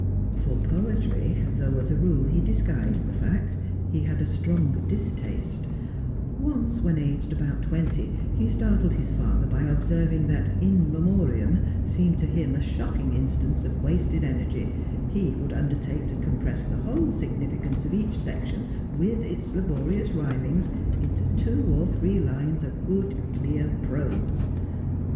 For poetry, though as a rule he disguised the fact, he had a strong distaste; once, when aged about twenty, he startled his father by observing that "In Memoriam" seemed to him a shocking instance of wasted energy; he would undertake to compress the whole significance of each section, with its laborious rhymings, into two or three lines of good clear prose.